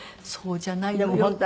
そうじゃないのよ。